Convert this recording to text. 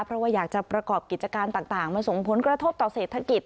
เพราะว่าอยากจะประกอบกิจการต่างมาส่งผลกระทบต่อเศรษฐกิจ